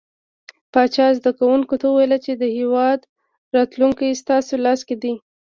پاچا زده کوونکو ته وويل چې د هيواد راتلونکې ستاسو لاس کې ده .